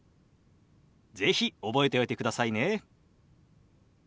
是非覚えておいてくださいね。